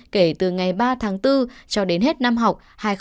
kể từ ngày ba tháng bốn cho đến hết năm học hai nghìn hai mươi hai nghìn hai mươi